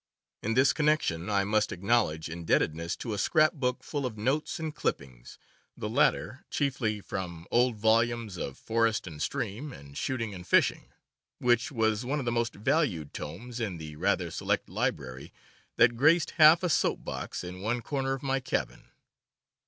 In this connection I must acknowledge indebtedness to a scrap book full of notes and clippings, the latter chiefly from old volumes of Forest and Stream and Shooting and Fishing, which was one of the most valued tomes in the rather select "library" that graced half a soap box in one corner of my cabin.